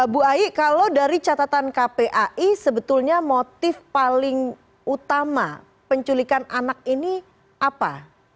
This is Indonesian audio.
bu ai kalau dari catatan kpai sebetulnya motif paling utama penculikan anak ini apa